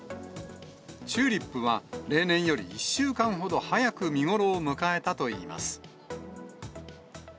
チューリップは、例年より１週間ほど早く見頃を迎えたといいます。